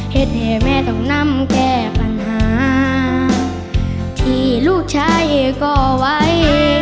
เหตุให้แม่ต้องนำแก้ปัญหาที่ลูกชายก่อไว้